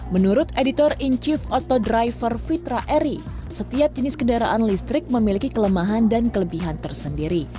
menurut editor in chief auto driver fitra eri setiap jenis kendaraan listrik memiliki kelemahan dan kelebihan tersendiri